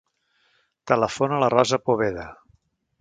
Telefona a la Rosa Poveda.